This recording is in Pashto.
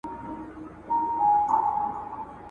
جهاني به له دېوان سره وي تللی ..